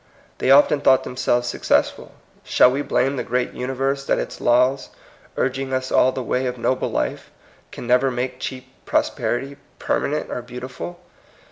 They often thought themselves suc cessful. Shall we blame the great uni verse that its laws, urging us all the way of noble life, can never make cheap pros perity permanent or beautiful?